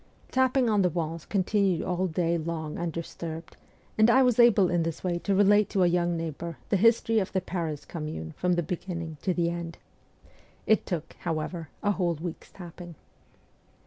Tapping on the walls continued all day long undisturbed, and I was able in this way to relate to a young neighbour the history of the Paris Com mune from the beginning to the end. It took, however, a whole week's tapping.